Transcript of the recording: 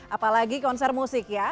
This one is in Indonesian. apalagi konser musik ya